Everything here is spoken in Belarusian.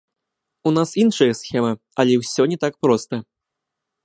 У нас іншая схема, але ўсё не так проста.